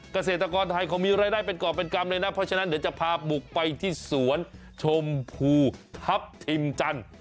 เกษตรกรไทยเขามีรายได้เป็นกรอบเป็นกรรมเลยนะเพราะฉะนั้นเดี๋ยวจะพาบุกไปที่สวนชมพูทัพทิมจันทร์